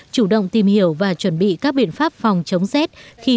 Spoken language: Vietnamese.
chủ động tìm hiểu và chuẩn bị các biện pháp phòng chống rét